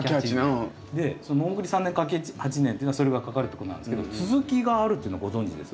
桃栗三年柿八年っていうのはそれぐらいかかるっていうことなんですけど続きがあるっていうのご存じです？